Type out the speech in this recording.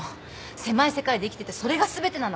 狭い世界で生きててそれが全てなの。